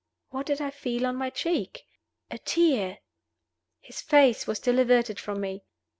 What did I feel on my cheek? A tear! His face was still averted from me.